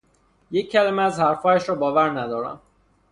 یک کلمه از حرفهایش را باور ندارم.